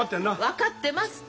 分かってますって。